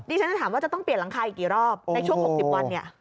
นี่ชั้นจะถามว่าจะต้องเปลี่ยนรังคาอีกกี่รอบในช่วง๖๐วัน